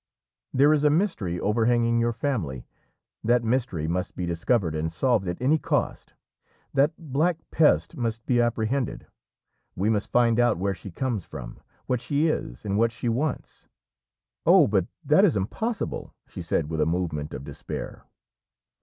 "There is a mystery overhanging your family; that mystery must be discovered and solved at any cost. That Black Pest must be apprehended. We must find out where she comes from, what she is, and what she wants!" "Oh, but that is impossible!" she said with a movement of despair.